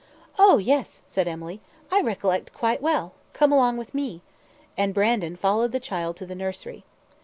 "Oh! yes," said Emily, "I recollect quite well come along with me," and Brandon followed the child to the nursery.